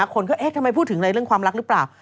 คนก็เอ๊ะทำไมพูดถึงอะไรเรื่องความรักหรือเปล่า